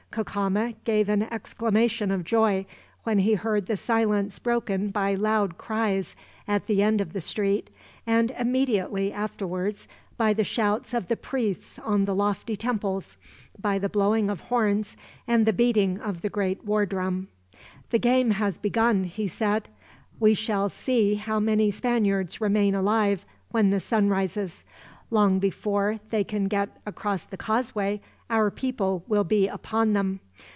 Cacama gave an exclamation of joy, when he heard the silence broken by loud cries at the end of the street; and immediately afterwards by the shouts of the priests on the lofty temples, by the blowing of horns, and the beating of the great war drum. "The game has begun," he said. "We shall see how many Spaniards remain alive, when the sun rises. Long before they can get across the causeway, our people will be upon them.